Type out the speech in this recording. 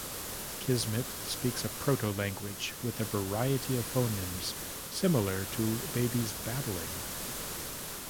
Kismet speaks a proto-language with a variety of phonemes, similar to baby's babbling.